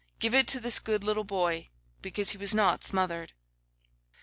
Give it to this good little boy, because he was not smothered.